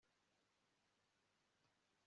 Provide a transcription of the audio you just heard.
Urwo rukundo ni ibyiyumvo